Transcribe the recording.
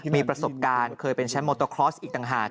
มีประสบการณ์เคยเป็นแชมป์โมโตคลอสอีกต่างหาก